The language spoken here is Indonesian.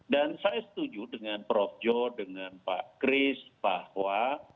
dan saya setuju dengan prof joe dengan pak chris bahwa